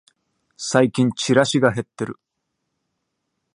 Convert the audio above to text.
最近チラシが減ってる